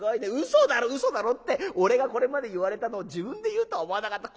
嘘だろ嘘だろって俺がこれまで言われたのを自分で言うとは思わなかった。